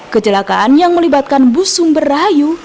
kecelakaan yang melibatkan bus sumber rahayu